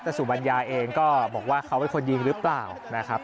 แต่สุบัญญาเองก็บอกว่าเขาเป็นคนยิงหรือเปล่านะครับ